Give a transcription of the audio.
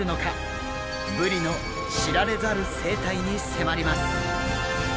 ブリの知られざる生態に迫ります。